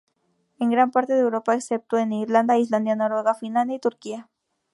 En gran parte de Europa, excepto en Irlanda, Islandia, Noruega, Finlandia y Turquía.